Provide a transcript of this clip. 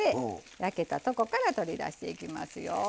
焼けたとこから取り出していきますよ。